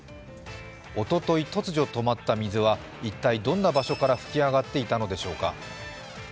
おととい、突如止まった水は、一体どんな場所から噴き上がっていたのでしょうか？